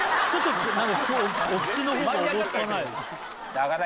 だから。